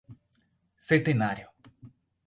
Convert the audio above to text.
Centenário